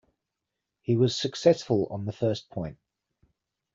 He was successful on the first point.